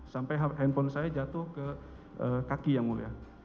sampai handphone saya jatuh ke kaki yang mulia